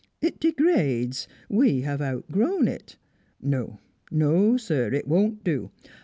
It degrades: we have outgrown it No, no, sir, it won't do!